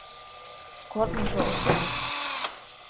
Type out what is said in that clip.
Корныжо осал.